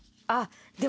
で